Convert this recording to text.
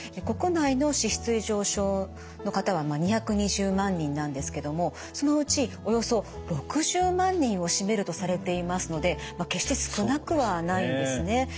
国内の脂質異常症の方は２２０万人なんですけどもそのうちおよそ６０万人を占めるとされていますので決して少なくはないんですね。